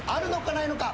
ないのか？